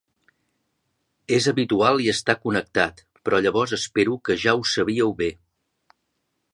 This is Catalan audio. És habitual i està connectat, però llavors espero que ja ho sabíeu bé.